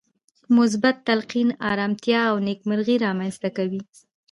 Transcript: مثبت تلقين ارامتيا او نېکمرغي رامنځته کوي.